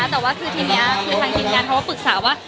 แต่ว่าทีนี้คือทางกิจงานเขาปรึกษาว่า